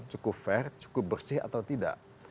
cukup fair cukup bersih atau tidak